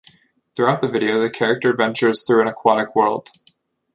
Throughout the video the character ventures through an aquatic world.